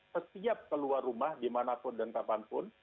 setiap keluar rumah dimanapun dan kapanpun